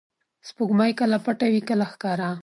• سپوږمۍ کله پټه وي، کله ښکاره.